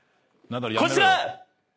こちら！